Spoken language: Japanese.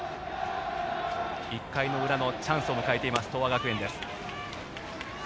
１回の裏のチャンスを迎えている東亜学園。